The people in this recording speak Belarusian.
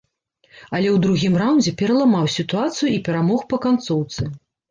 Але ў другім раўндзе пераламаў сітуацыю і перамог па канцоўцы.